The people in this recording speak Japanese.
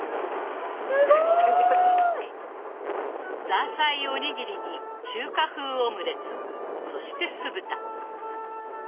ザーサイお握りに中華風オムレツそして酢豚。